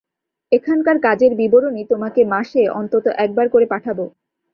এখানকার কাজের বিবরণী তোমাকে মাসে অন্তত একবার করে পাঠাব।